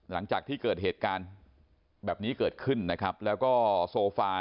หลังจากที่เกิดเหตุการณ์แบบนี้เกิดขึ้นนะครับแล้วก็โซฟา